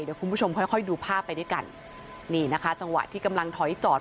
เดี๋ยวคุณผู้ชมค่อยค่อยดูภาพไปด้วยกันนี่นะคะจังหวะที่กำลังถอยจอด